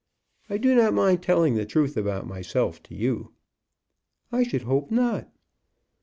I do not mind telling the truth about myself to you." "I should hope not."